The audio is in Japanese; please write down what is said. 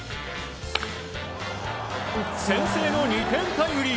先制の２点タイムリー。